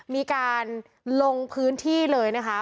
มีการลงพื้นที่เลยนะคะ